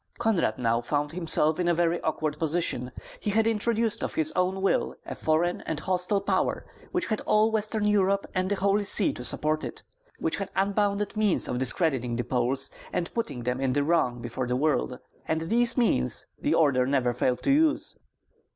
Konrad now found himself in a very awkward position; he had introduced of his own will a foreign and hostile power which had all Western Europe and the Holy See to support it, which had unbounded means of discrediting the Poles and putting them in the wrong before the world; and these means the order never failed to use.